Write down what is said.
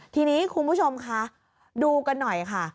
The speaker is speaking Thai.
ทีนี้คุณผู้ชมคะดูกันหน่อยค่ะ